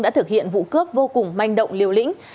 đã thực hiện vụ cướp vô cùng manh động liều lĩnh